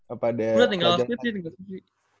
udah tinggal skripsi tinggal skripsi